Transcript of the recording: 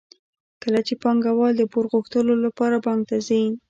کله چې پانګوال د پور غوښتلو لپاره بانک ته ځي